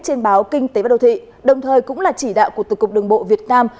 trên báo kinh tế và đô thị đồng thời cũng là chỉ đạo của tổng cục đường bộ việt nam